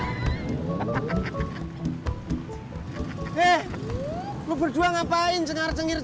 eh lo berdua ngapain cengar cengir